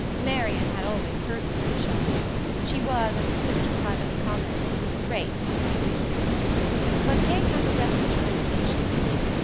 Marian had always her views of sharpness; she was, as her sister privately commented, great on that resource. But Kate had her refuge from irritation.